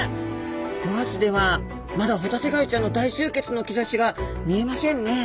５月ではまだホタテガイちゃんの大集結の兆しが見えませんねえ。